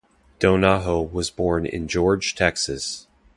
Donaho was born in George, Texas.